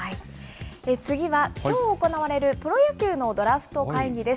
次は、きょう行われるプロ野球のドラフト会議です。